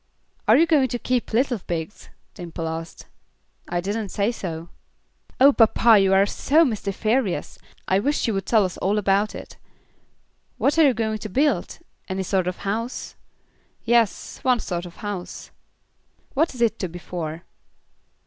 "Are you going to keep little pigs?" Dimple asked. "I didn't say so." "Oh, papa, you are so mystiferious. I wish you would tell us all about it. What are you going to build? Any sort of house?" "Yes, one sort of house." "What is it to be for?"